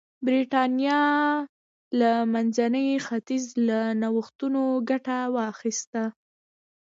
برېټانیا د منځني ختیځ له نوښتونو ګټه واخیسته.